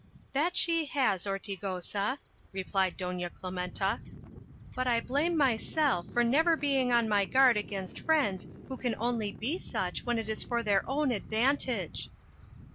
"That she has, Hortigosa," replied Doña Clementa; "but I blame myself for never being on my guard against friends who can only be such when it is for their own advantage."